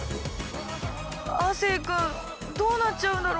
亜生君どうなっちゃうんだろ。